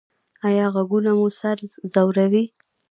ایا غږونه مو سر ځوروي؟